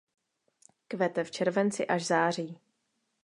Kvete v červenci až září.